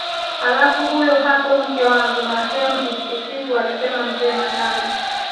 Halafu huyo hapo mke wangu marehemu bi Sikitu alisema mzee makame